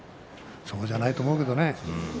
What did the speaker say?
そうじゃないと思うけどね。